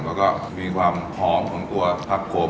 แล้วก็มีความหอมของตัวผักขม